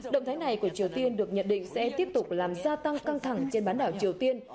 động thái này của triều tiên được nhận định sẽ tiếp tục làm gia tăng căng thẳng trên bán đảo triều tiên